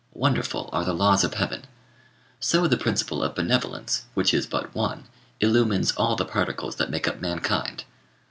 Wonderful are the laws of Heaven! So the principle of benevolence, which is but one, illumines all the particles that make up mankind.